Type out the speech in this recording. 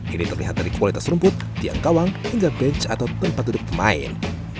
ini terlihat dari kualitas rumput tiang kawang hingga bench atau tempat duduk pemain